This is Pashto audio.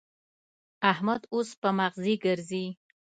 احمد اوس په مغزي ګرزي.